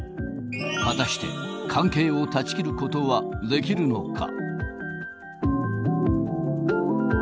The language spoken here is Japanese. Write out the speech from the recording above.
果たして関係を断ち切ることはできるのか。